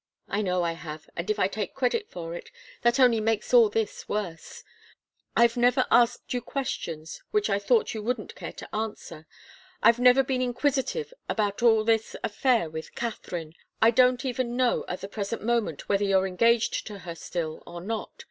"I know I have, and if I take credit for it, that only makes all this worse. I've never asked you questions which I thought you wouldn't care to answer. I've never been inquisitive about all this affair with Katharine. I don't even know at the present moment whether you're engaged to her still, or not.